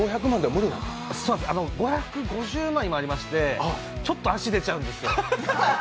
５５０万、今、ありまして、ちょっと足出ちゃうんですよ。